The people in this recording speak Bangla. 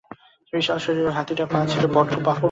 বিশাল শরীরের ওই হাতিটার পা গুলো ছিল বটপাকুড়গাছের মতো মোটা।